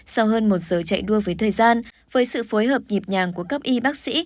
sau hơn một giờ chạy đua với thời gian với sự phối hợp nhịp nhàng của các y bác sĩ